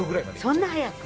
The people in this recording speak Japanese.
そんな早く？